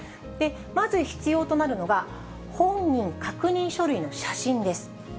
まず必要となるのが、本人確認書類の写真です。